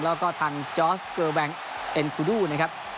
แล้วก็ทางแดร้อนจอร์สเกลวแลกเฮ็ลเดรูครับ